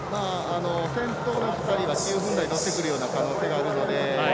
先頭の２人は９分台乗ってくるような可能性あるので。